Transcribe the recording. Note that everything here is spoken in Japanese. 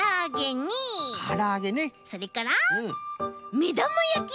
それからめだまやき。